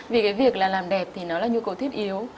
vì cái việc là làm đẹp thì nó là nhu cầu thiết yếu